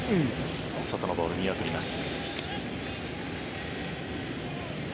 外のボールを見送ります。